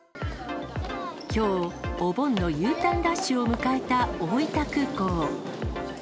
きょう、お盆のＵターンラッシュを迎えた大分空港。